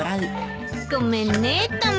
ごめんねタマ。